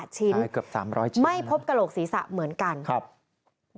๒๘๘ชิ้นไม่พบกระโหลกศีรษะเหมือนกันนะครับใช่เกือบ๓๐๐ชิ้น